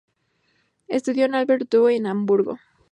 Estudió con Albert Doe en Hamburgo.